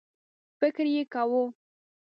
فکر یې کاوه.